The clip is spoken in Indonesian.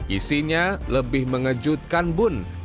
isinya lebih mengejutkan bun